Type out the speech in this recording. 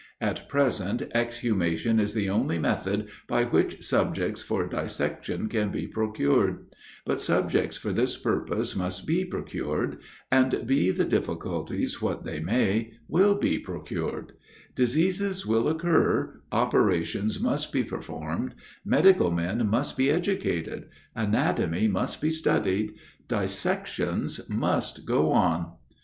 At present, exhumation is the only method by which subjects for dissection can be procured; but subjects for this purpose must be procured: and be the difficulties what they may, will be procured: diseases will occur, operations must be performed, medical men must be educated, anatomy must be studied, dissections must go on.